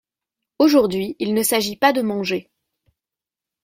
Aujourd'hui il ne s'agit pas de manger.